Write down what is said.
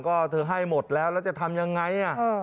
ก็เธอให้หมดแล้วแล้วจะทำยังไง